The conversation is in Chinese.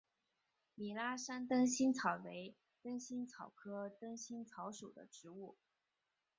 米拉山灯心草为灯心草科灯心草属的植物。